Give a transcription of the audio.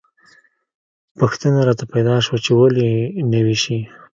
پوښتنه راته پیدا شوه چې ولې یې نه ویشي.